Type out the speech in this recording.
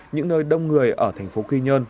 những nơi đông người ở thành phố quy nhơn